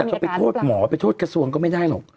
ไม่แต่ต้องไปโทษหมอไปโทษกระทรวงก็ไม่ได้หรอก